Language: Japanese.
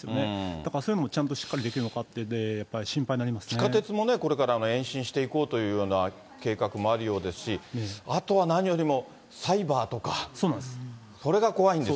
だからそういうのもちゃんとしっかりできるのかって心配になりま地下鉄もこれから延伸していこうというような計画もあるようですし、あとは何よりもサイバーとか、それが怖いんですよ。